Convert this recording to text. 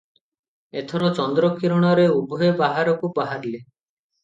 ଏଥର ଚନ୍ଦ୍ରକିରଣରେ ଉଭୟେ ବାହାରକୁ ବାହାରିଲେ ।